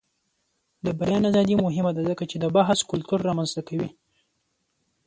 د بیان ازادي مهمه ده ځکه چې د بحث کلتور رامنځته کوي.